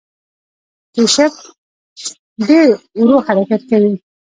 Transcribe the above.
کیشپ ډیر ورو حرکت کوي